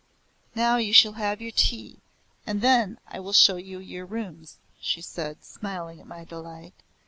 "Now you shall have your tea and then I will show you your rooms," she said, smiling at my delight.